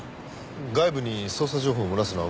外部に捜査情報を漏らすのはまずいけど。